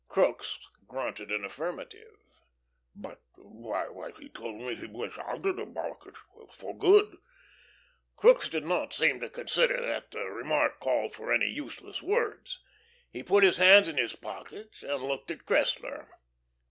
Crookes grunted an affirmative. "But why, he told me he was out of the market for good." Crookes did not seem to consider that the remark called for any useless words. He put his hands in his pockets and looked at Cressler.